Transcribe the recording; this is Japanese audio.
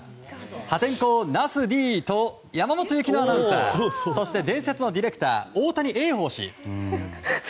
破天荒ナスＤと山本雪乃アナウンサーそして伝説のディレクター大谷映芳氏。